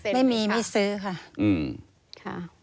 ไม่มีไม่ซื้อค่ะ